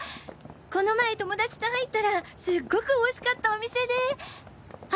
この前友達と入ったらすっごくおいしかったお店であ！